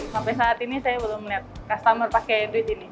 sampai saat ini saya belum melihat customer pakai bridge ini